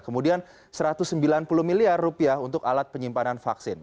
kemudian rp satu ratus sembilan puluh miliar rupiah untuk alat penyimpanan vaksin